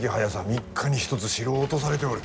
３日に一つ城を落とされておる。